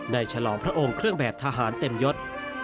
ฉลองพระองค์เครื่องแบบทหารเต็มยศ